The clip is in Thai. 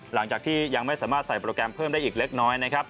หลังจากที่ยังไม่สามารถใส่โปรแกรมเพิ่มได้อีกเล็กน้อยนะครับ